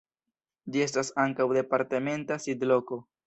Ĝi estas ankaŭ departementa sidloko.